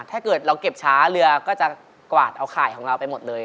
ถ้าเกิดเราเก็บช้าเรือก็จะกวาดเอาข่ายของเราไปหมดเลย